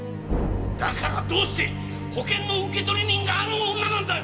だからどうして保険の受取人があの女なんだよ！？